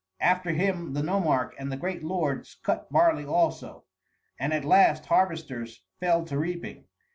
After him the nomarch and the great lords cut barley also, and at last harvesters fell to reaping.